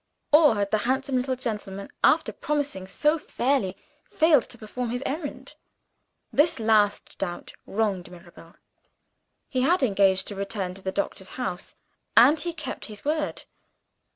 Or had the handsome little gentleman, after promising so fairly, failed to perform his errand? This last doubt wronged Mirabel. He had engaged to return to the doctor's house; and he kept his word.